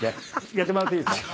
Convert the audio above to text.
やってもらっていいですか？